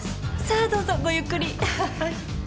さあどうぞごゆっくり。